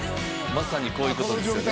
まさにこういうことですよね